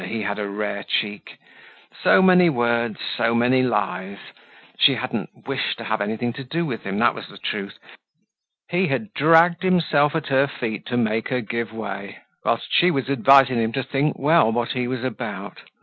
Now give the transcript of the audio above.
_ he had a rare cheek! So many words, so many lies. She hadn't wished to have anything to do with him, that was the truth. He had dragged himself at her feet to make her give way, whilst she was advising him to think well what he was about.